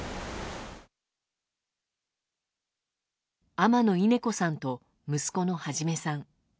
天野稲子さんと、息子の初さん。